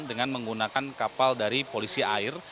dengan menggunakan kapal dari polisi air